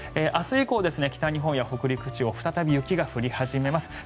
明日以降、北日本や北陸地方再び雪が降り始めます。